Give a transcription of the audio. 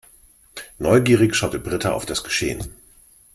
Neugierig schaute Britta auf das Geschehen.